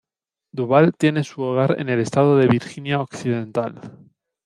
Duvall tiene su hogar en el estado de Virginia Occidental.